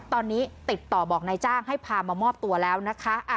ตอนนี้ติดต่อบอกนายจ้างให้พามามอบตัวแล้วนะคะ